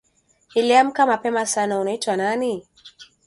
Niliamka mapema sana Unaitwa nani?